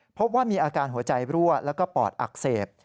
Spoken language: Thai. พบว่ามีอาการหัวใจรั่วแล้วก็ปอดอักเสบ